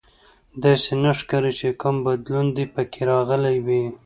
داسې نه ښکاري چې کوم بدلون دې پکې راغلی وي